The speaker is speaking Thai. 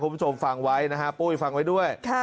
คุณผู้ชมฟังไว้นะฮะปุ้ยฟังไว้ด้วย